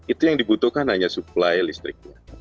itu yang dibutuhkan hanya suplai listriknya